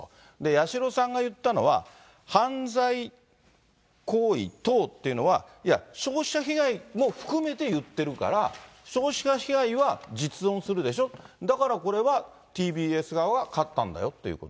八代さんが言ったのは、犯罪行為等っていうのは、いや、消費者被害も含めて言ってるから、消費者被害は実存するでしょ、だからこれは、ＴＢＳ側が勝ったんだよということ。